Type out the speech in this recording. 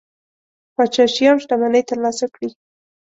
پاچا شیام شتمنۍ ترلاسه کړي.